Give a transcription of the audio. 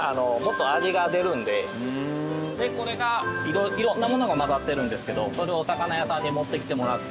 これが色んなものが混ざってるんですけどそれをお魚屋さんに持ってきてもらって。